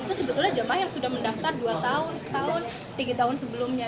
itu sebetulnya jamaah yang sudah mendaftar dua tahun satu tahun tiga tahun sebelumnya